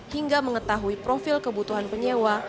hingga mengetahui profil kebutuhan penyewa